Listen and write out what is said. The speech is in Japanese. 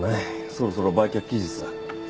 そろそろ売却期日だ。